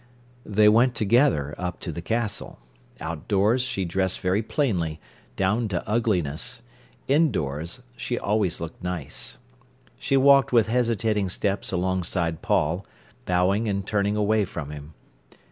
They went together up to the Castle. Outdoors she dressed very plainly, down to ugliness; indoors she always looked nice. She walked with hesitating steps alongside Paul, bowing and turning away from him.